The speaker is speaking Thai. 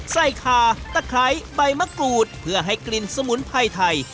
คาตะไคร้ใบมะกรูดเพื่อให้กลิ่นสมุนไพรไทย